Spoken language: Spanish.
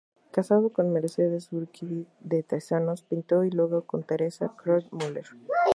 Casado con Mercedes Urquidi de Tezanos-Pinto y luego con Teresa Kroll Müller.